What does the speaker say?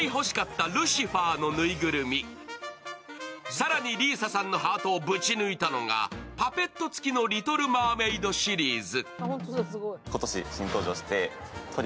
更に里依紗さんのハートをぶち抜いたのが、パペット付きの「リトル・マーメイド」シリーズ。